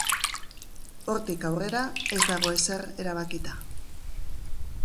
Hortik aurrera, ez dago ezer erabakita.